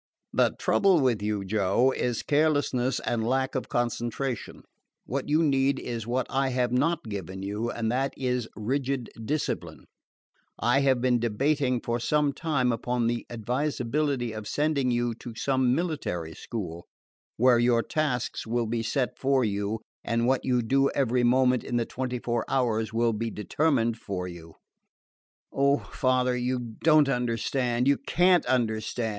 "The trouble with you, Joe, is carelessness and lack of concentration. What you need is what I have not given you, and that is rigid discipline. I have been debating for some time upon the advisability of sending you to some military school, where your tasks will be set for you, and what you do every moment in the twenty four hours will be determined for you " "Oh, father, you don't understand, you can't understand!"